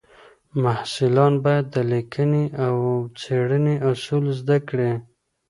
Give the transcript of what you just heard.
محصلان باید د لیکنې او څېړنې اصول زده کړي.